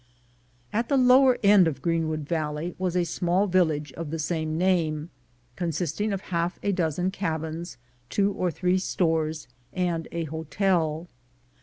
At the lower end of Greenwood Valley was a small village of the same name, consisting of half a dozen cabins, two or three stores, and a hotel.